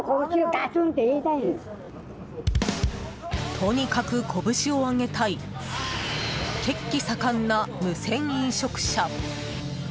とにかく拳をあげたい血気盛んな無銭飲食者。